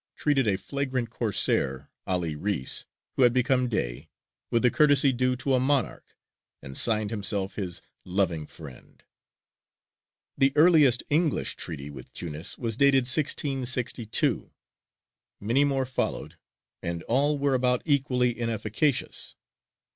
treated a flagrant Corsair, 'Ali Reïs, who had become Dey, with the courtesy due to a monarch, and signed himself his "loving friend." The earliest English treaty with Tunis was dated 1662; many more followed, and all were about equally inefficacious.